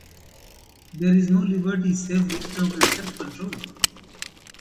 There is no liberty, save wisdom and self control.